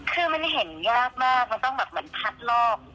คือมันเห็นยากมากมันต้องแบบเหมือนพัดลอก